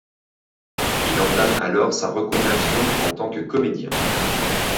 Il entame alors sa reconversion en tant que comédien.